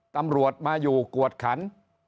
ตำรวจมาอยู่กวดขัน